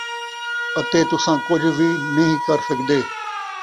اَتے تُساں کُجھ کر وی نھیں سڳدے،